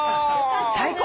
最高。